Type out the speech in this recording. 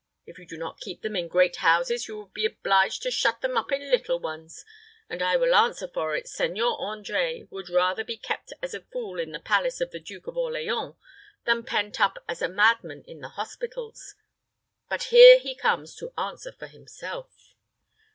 If you do not keep them in great houses, you would be obliged to shut them up in little ones; and, I will answer for it, Seigneur André would rather be kept as a fool in the palace of the Duke of Orleans than pent up as a madman in the hospitals. But here he comes to answer for himself."